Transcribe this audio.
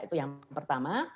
itu yang pertama